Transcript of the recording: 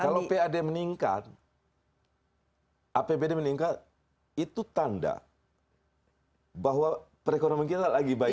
kalau pad meningkat apbd meningkat itu tanda bahwa perekonomian kita lagi baik